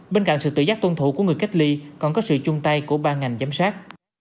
bên cạnh sự tự giác tuân thủ của người cách ly còn có sự chung tay của ba ngành giám sát